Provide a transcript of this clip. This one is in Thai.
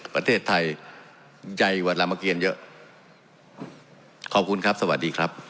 ประเทศไทยใหญ่กว่ารามเกียรเยอะขอบคุณครับสวัสดีครับ